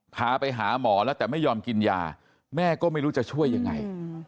พาไปหาหมอแล้วแต่ไม่ยอมกินยาแม่ก็ไม่รู้จะช่วยยังไง